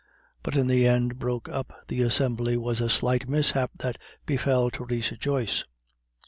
What in the end broke up the assembly was a slight mishap that befell Theresa Joyce.